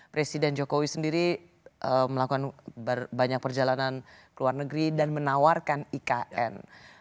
presiden jokowi sendiri melakukan banyak perjalanan ke luar negeri dan menawarkan ikn